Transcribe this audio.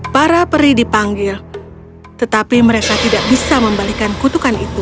para peri dipanggil tetapi mereka tidak bisa membalikan kutukan itu